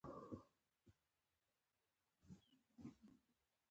سټیونز وېرېده چې رېل به د هغه مخالفین پیاوړي کړي.